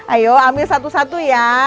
ayo ambil satu satu ya